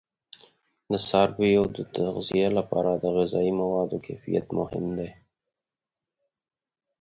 د څارویو د تغذیه لپاره د غذایي موادو کیفیت مهم دی.